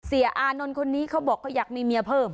อานนท์คนนี้เขาบอกเขาอยากมีเมียเพิ่ม